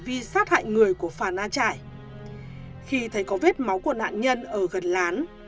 vi sát hại người của phà a trải khi thấy có vết máu của nạn nhân ở gần lán